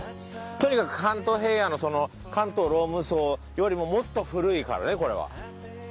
とにかく関東平野のその関東ローム層よりももっと古いからねこれは。